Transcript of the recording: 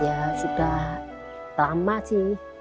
ya sudah lama sih